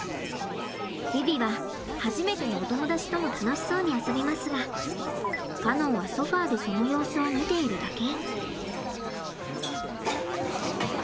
ヴィヴィは初めてのお友達とも楽しそうに遊びますがカノンはソファーでその様子を見ているだけ。